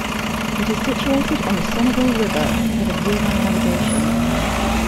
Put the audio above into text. It is situated on the Senegal River at the head of year-round navigation.